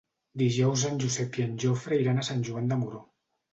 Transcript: Dijous en Josep i en Jofre iran a Sant Joan de Moró.